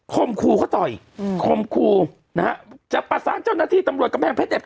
มครูเขาต่อยอืมคมครูนะฮะจะประสานเจ้าหน้าที่ตำรวจกำแพงเพชรเนี่ย